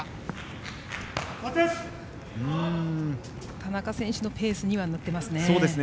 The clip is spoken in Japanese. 田中選手のペースになってますね。